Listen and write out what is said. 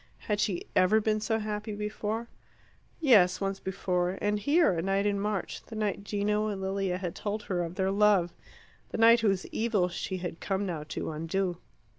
Had she ever been so happy before? Yes, once before, and here, a night in March, the night Gino and Lilia had told her of their love the night whose evil she had come now to undo.